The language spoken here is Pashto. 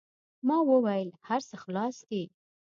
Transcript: ما و ویل: هر څه خلاص دي.